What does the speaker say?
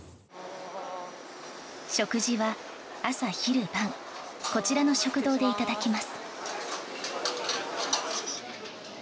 食事は朝昼晩こちらの食堂でいただきます。